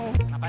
ya udah kang